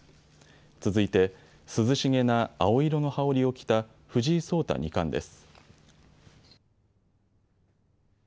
続いて涼しげな青色の羽織を着た藤井聡太二冠です。